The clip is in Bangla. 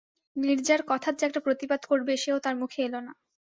নীরজার কথার যে একটা প্রতিবাদ করবে, সেও তার মুখে এল না।